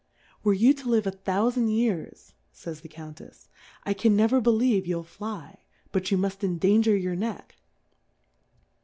Were you to live a thouiand Years, fays the Cotmtefs^ I can never believe you'll fly, but you muft endanger your Neck.